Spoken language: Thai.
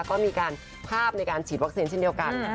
ก็มีการภาพในการฉีดวัคซีนเช่นเดียวกัน